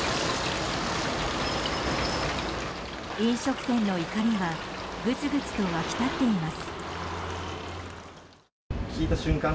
飲食店の怒りはぐつぐつと沸き立っています。